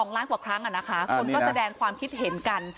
๒ล้านกว่าครั้งคนก็แสดงความคิดเห็นกัน